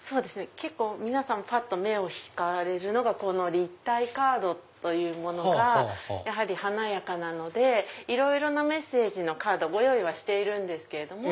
結構皆さんぱっと目を引かれるのがこの立体カードというものがやはり華やかなのでいろいろなメッセージのカードご用意はしているんですけども。